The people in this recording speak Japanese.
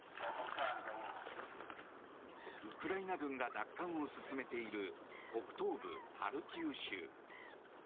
ウクライナ軍が奪還を進めている北東部ハルキウ州。